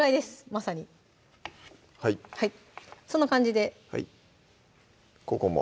まさにそんな感じではいここも？